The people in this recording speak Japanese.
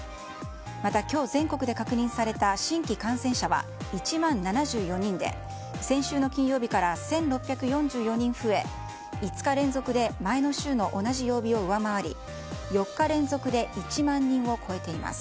また今日、全国で確認された新規感染者は１万７４人で先週の金曜日から１６４４人増え５日連続で前の週の同じ曜日を上回り４日連続で１万人を超えています。